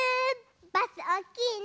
バスおおきいね！